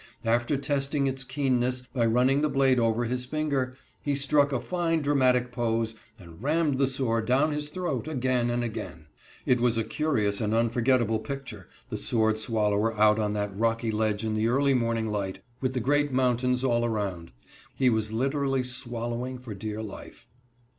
After testing its keenness by running the blade over his finger, he struck a fine dramatic pose, and rammed the sword down his throat again and again. It was a curious and unforgettable picture; the sword swallower out on that rocky ledge in the early morning light, with the great mountains all around. He was literally swallowing for dear life.